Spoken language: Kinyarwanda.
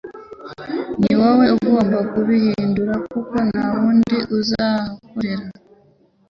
ni wowe ugomba kubihindura kuko ntawundi uzagukorera. ”